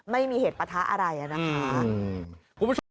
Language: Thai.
ไม่มีเหตุประทะอะไรอะนะคะ